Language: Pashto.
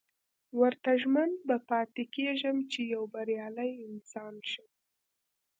ورته ژمن به پاتې کېږم چې يو بريالی انسان شم.